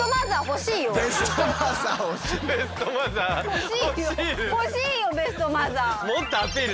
欲しいよベストマザー。